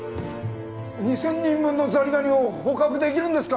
２０００人分のザリガニを捕獲できるんですか？